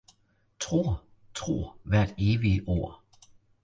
Tror, tror hvert evige ord!